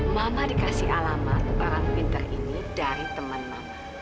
mama dikasih alamat ke orang pintar ini dari teman mama